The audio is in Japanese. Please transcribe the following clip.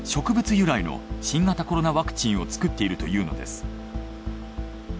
由来の新型コロナワクチンを作っているというのです。